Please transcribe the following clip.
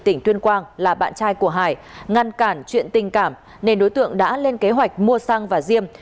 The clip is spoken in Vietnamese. tỉnh tuyên quang là bạn trai của hải ngăn cản chuyện tình cảm nên đối tượng đã lên kế hoạch mua xăng và diêm